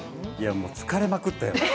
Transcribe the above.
いや、もう疲れまくったよ。